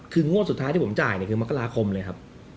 คืองวดสุดท้ายที่ผมจ่ายคือมกราคมเลยครับ